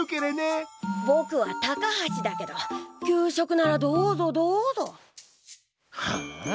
ぼくは高橋だけど給食ならどうぞどうぞ。はあ？